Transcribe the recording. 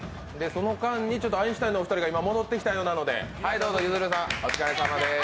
その間にアインシュタインのお二人が戻ってきたようなので、お疲れさまです。